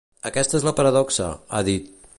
Aquesta és la paradoxa, ha dit.